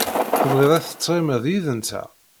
Tebɣid ad tettɣimid yid-nteɣ?